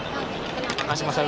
terima kasih mas sabri